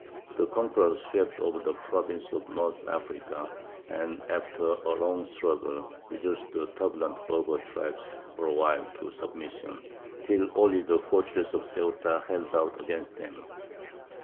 The conquerors swept over the provinces of North Africa, and, after a long struggle, reduced the turbulent Berber tribes for a while to submission, till only the fortress of Ceuta held out against them.